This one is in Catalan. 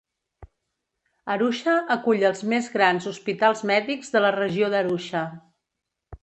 Arusha acull els més grans hospitals mèdics de la regió d'Arusha.